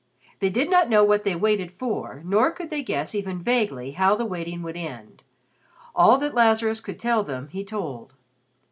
They did not know what they waited for, nor could they guess even vaguely how the waiting would end. All that Lazarus could tell them he told.